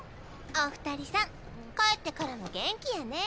お二人さん帰ってからも元気やねえ。